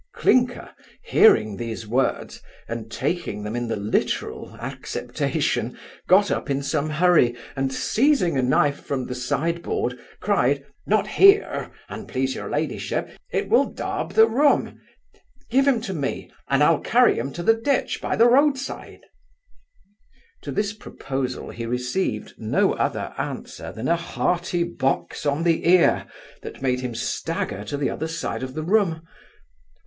Clinker, hearing these words, and taking them in the literal acceptation, got up in some hurry, and seizing a knife from the side board, cried, 'Not here, an please your ladyship It will daub the room Give him to me, and I'll carry him to the ditch by the roadside' To this proposal he received no other answer, than a hearty box on the ear, that made him stagger to the other side of the room.